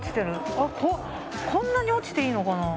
あこんなに落ちていいのかな？